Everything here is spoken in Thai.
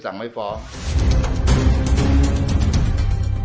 ตอนนี้ก็ไม่มีอัศวินทรีย์